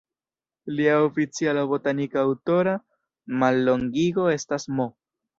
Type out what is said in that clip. Lia oficiala botanika aŭtora mallongigo estas "M.".